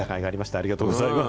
ありがとうございます。